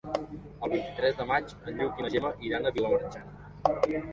El vint-i-tres de maig en Lluc i na Gemma iran a Vilamarxant.